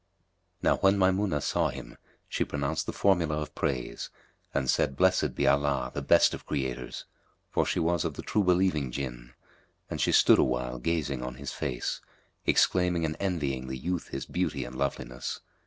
" Now when Maymunah saw him, she pronounced the formula of praise,[FN#243] and said, "Blessed be Allah, the best of Creators!"; for she was of the true believing Jinn; and she stood awhile gazing on his face, exclaiming and envying the youth his beauty and loveliness.